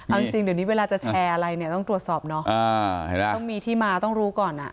เอาจริงเดี๋ยวนี้เวลาจะแชร์อะไรเนี่ยต้องตรวจสอบเนาะต้องมีที่มาต้องรู้ก่อนอ่ะ